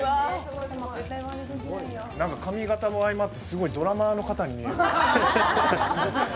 何か髪形も相まってドラマーの方に見える。